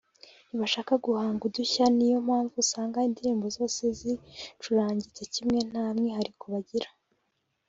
ntibashaka guhanga udushya niyo mpamvu usanga indirimbo zose zicurangitse kimwe nta mwihariko bagira”